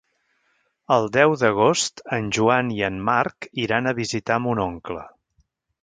El deu d'agost en Joan i en Marc iran a visitar mon oncle.